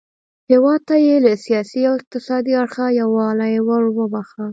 هیواد ته یې له سیاسي او اقتصادي اړخه یووالی وروباښه.